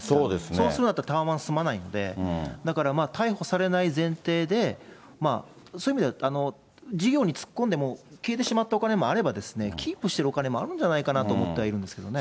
そうすると、タワマン住まないんで、だから逮捕されない前提で、そういう意味では、事業に突っ込んでもう消えてしまったお金もあれば、キープしてるお金もあるんじゃないかと思ってはいるんですけどね。